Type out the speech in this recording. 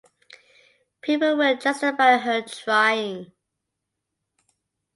People will justify her trying.